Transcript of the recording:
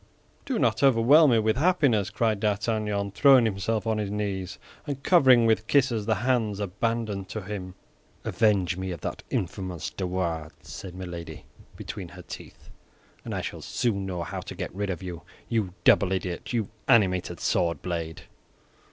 "Do not overwhelm me with happiness," cried D'Artagnan, throwing himself on his knees, and covering with kisses the hands abandoned to him. "Avenge me of that infamous De Wardes," said Milady, between her teeth, "and I shall soon know how to get rid of you—you double idiot, you animated sword blade!"